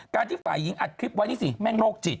ที่ฝ่ายหญิงอัดคลิปไว้นี่สิแม่งโรคจิต